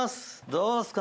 どうですか？